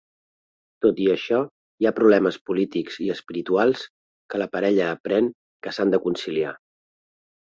Tot i això, hi ha problemes polítics i espirituals que la parella aprèn que s'han de conciliar.